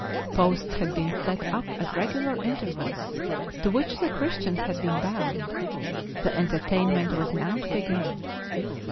Posts had been set up at regular intervals to which the Christians had been bound; the entertainment was now to begin.